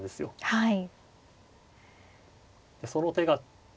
はい。